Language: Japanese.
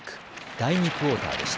第２クオーターでした。